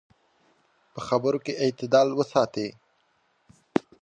په خبرو کې اعتدال وساتئ.